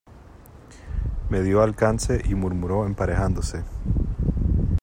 me dió alcance y murmuró emparejándose: